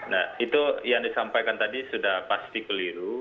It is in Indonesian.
nah itu yang disampaikan tadi sudah pasti keliru